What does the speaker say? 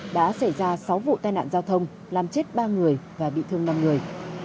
đã xảy ra sáu vụ tai nạn giao thông làm chết ba người và bị thương năm người